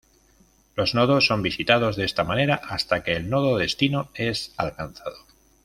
Los nodos son visitados de esta manera hasta que el nodo destino es alcanzado.